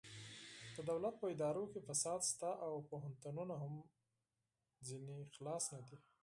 د دولت په ادارو کې فساد شته او پوهنتونونه هم ترې خلاص نه دي